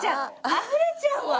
あふれちゃうわ！